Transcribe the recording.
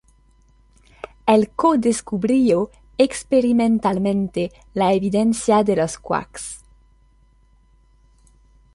Él co-descubrió experimentalmente la evidencia de los quarks.